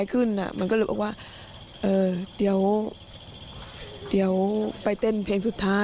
เขาเดินเข้าไปเนอะ